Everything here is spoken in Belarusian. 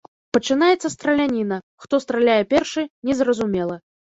Пачынаецца страляніна, хто страляе першы, незразумела.